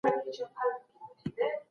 ګرګين څنګه ميرويس خان د کندهاره لرې کړ؟